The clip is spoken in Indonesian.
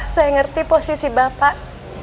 saya ngerti posisi bapak